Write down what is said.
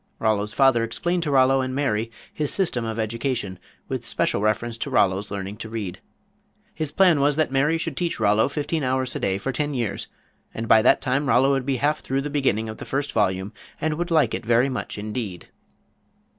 Rollo's father explained to Rollo and Mary his system of education, with special reference to Rollo's learning to read. His plan was that Mary should teach Rollo fifteen hours a day for ten years, and by that time Rollo would be half through the beginning of the first volume, and would like it very much indeed.